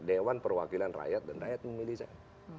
dewan perwakilan rakyat dan rakyat memilih saya